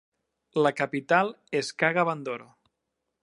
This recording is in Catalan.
La capital és Kaga Bandoro.